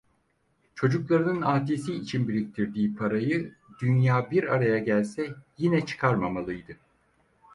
Çocuklarının âtisi için biriktirdiği parayı, dünya bir araya gelse yine çıkarmamalıydı.